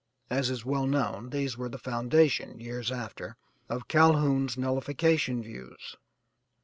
As is well known these were the foundation, years after, of Calhoun's Nullification Views.